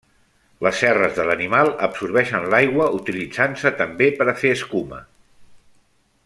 Les cerres de l'animal absorbeixen l'aigua utilitzant-se també per a fer escuma.